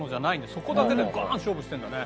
そこだけでガーンと勝負してるんだね。